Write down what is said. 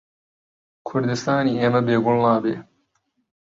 کوردستانی ئێمە بێ گوڵ نابێ